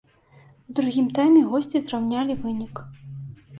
У другім тайме госці зраўнялі вынік.